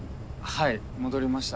はい戻りました。